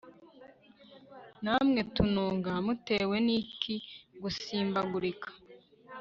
namwe tununga, mutewe n'iki gusimbagurika